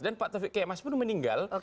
dan pak taufik kemas pun meninggal